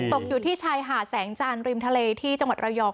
ตกอยู่ที่ชายหาดแสงจานริมทะเลที่จังหวัดระยอง